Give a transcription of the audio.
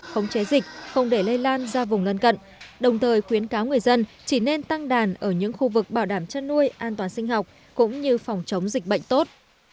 khống chế dịch không để lây lan ra vùng lân cận đồng thời khuyến cáo người dân chỉ nên tăng đàn ở những khu vực bảo đảm chăn nuôi an toàn sinh học cũng như phòng chống dịch bệnh tốt